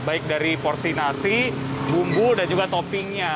baik dari porsi nasi bumbu dan juga toppingnya